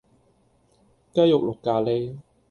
雞肉綠咖哩